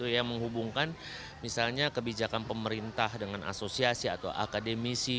yang menghubungkan misalnya kebijakan pemerintah dengan asosiasi atau akademisi